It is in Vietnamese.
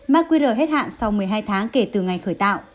ma qr hết hạn sau một mươi hai tháng kể từ ngày khởi tạo